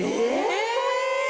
え！